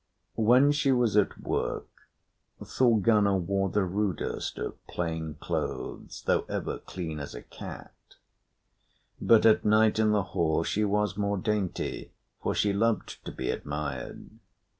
When she was at work, Thorgunna wore the rudest of plain clothes, though ever clean as a cat; but at night in the hall she was more dainty, for she loved to be admired.